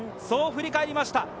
そう振り返りました。